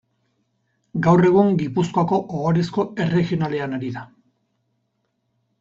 Gaur egun Gipuzkoako Ohorezko Erregionalean ari da.